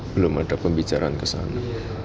belum ada pembicaraan kesana